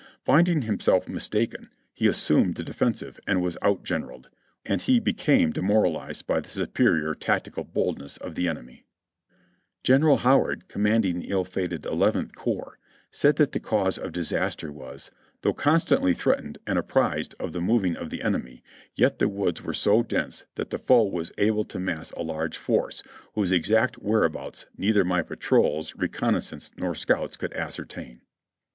Finding himself mistaken, he assumed the defensive and was outgeneraled, and he became demoralized by the superior tactical boldness of the enemy." ("Battles and Lead ers," Vol. 3, p. 171.) General Howard, commanding the ill fated Eleventh Corps, said that the cause of disaster was, "though constantly threatened and apprised of the moving of the enemy, yet the woods were so dense that the foe was able to mass a large force, whose exact where abouts neither my patrols, reconnaissance, nor scouts could ascer tain."